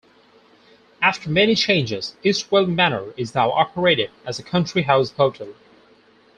After many changes, Eastwell Manor is now operated as a country house hotel.